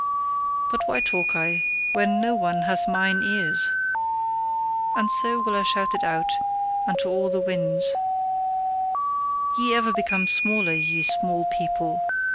But why talk I, when no one hath MINE ears! And so will I shout it out unto all the winds: Ye ever become smaller, ye small people!